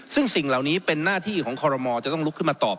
ซึ่งสิ่งเหล่านี้เป็นหน้าที่ของคอรมอลจะต้องลุกขึ้นมาตอบ